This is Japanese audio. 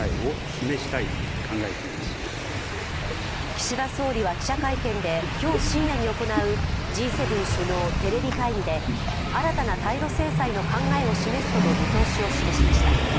岸田総理は記者会見で今日深夜に行うＧ７首脳テレビ会議で、新たな対ロ制裁の考えを示すとの見通しを示しました。